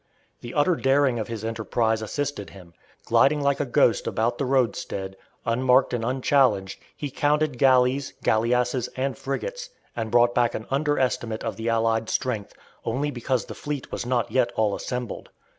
The utter daring of his enterprise assisted him. Gliding like a ghost about the roadstead, unmarked and unchallenged, he counted galleys, galleasses, and frigates, and brought back an under estimate of the allied strength, only because the fleet was not yet all assembled.